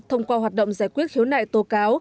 thông qua hoạt động giải quyết khiếu nại tố cáo